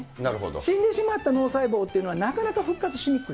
死んでしまった脳細胞というのは、なかなか復活しにくい。